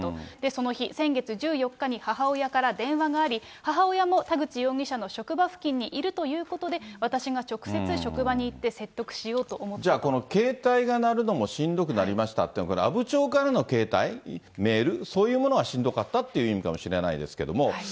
その日、先月１４日に、母親から電話があり、母親も田口容疑者の職場付近にいるということで、私が直接、職場に行って、じゃあ、この携帯が鳴るのもしんどくなりましたっていうのは、阿武町からの携帯、メール、そういうものがしんどかったっていう意味かもしれないですけども。